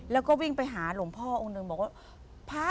แล้วก็วิ่งไปหาหลวงพ่อองค์หนึ่งบอกว่าพระ